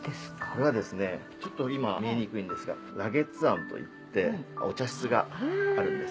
これはですねちょっと今見えにくいんですが蘿月庵といってお茶室があるんです。